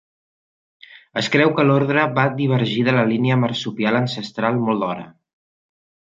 Es creu que l'ordre va divergir de la línia marsupial ancestral molt d'hora.